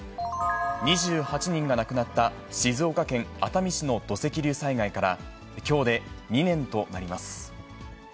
２８人が亡くなった静岡県熱海市の土石流災害から、きょうで２年となります。